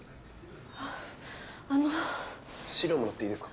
あっあの資料もらっていいですか